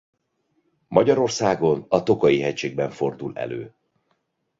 Magyarországon a Tokaji-hegységben fordul elő.